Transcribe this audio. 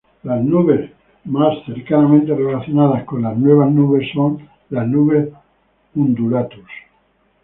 Las nubes más cercanamente relacionadas con las nuevas nubes son las nubes "undulatus".